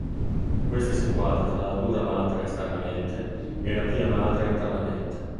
Questa è situata tra la dura madre esternamente e la pia madre internamente.